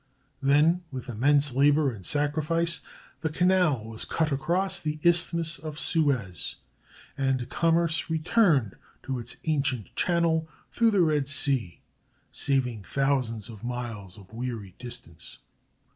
Then, with immense labor and sacrifice, the canal was cut across the Isthmus of Suez, and commerce returned to its ancient channel through the Red Sea, saving thousands of miles of weary distance.